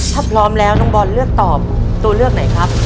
ถ้าพร้อมแล้วน้องบอลเลือกตอบตัวเลือกไหนครับ